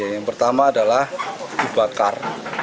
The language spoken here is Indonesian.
yang pertama adalah dibakar